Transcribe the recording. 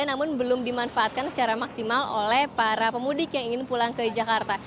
namun belum dimanfaatkan secara maksimal oleh para pemudik yang ingin pulang ke jakarta